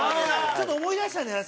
ちょっと思い出したんじゃない？